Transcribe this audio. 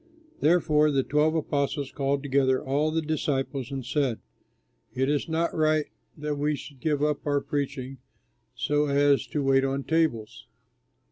Therefore the twelve apostles called together all the disciples and said, "It is not right that we should give up our preaching so as to wait on tables.